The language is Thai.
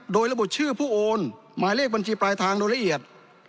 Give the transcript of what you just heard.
โดยระบุชื่อผู้โอนหมายเลขบัญชีปลายทางโดยละเอียด